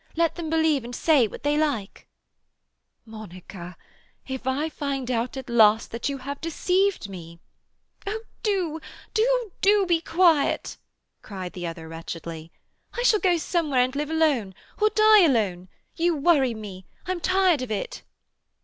Let them believe and say what they like—" "Monica, if I find out at last that you have deceived me—" "Oh, do, do, do be quiet!" cried the other wretchedly. "I shall go somewhere and live alone—or die alone. You worry me—I'm tired of it."